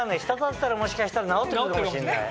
滴ったらもしかしたら治って来るのかもしんない。